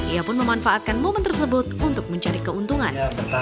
ia pun memanfaatkan momen tersebut untuk mencari keuntungan